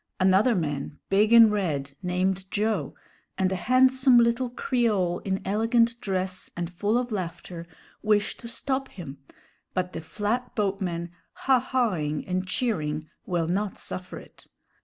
Another man, big and red, named Joe, and a handsome little Creole in elegant dress and full of laughter, wish to stop him, but the flatboatmen, ha ha ing and cheering, will not suffer it.